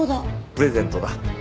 プレゼントだ。